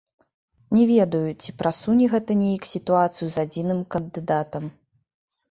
Не ведаю, ці прасуне гэта неяк сітуацыю з адзіным кандыдатам.